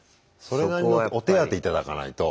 それなりのお手当頂かないと。